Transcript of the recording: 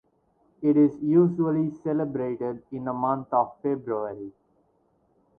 It is usually celebrated in the month of February.